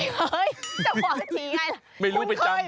เฮ้ยเจ้าของก็ฉี่ไงล่ะ